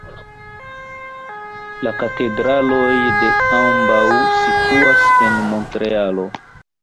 La katedraloj de ambaŭ situas en Montrealo.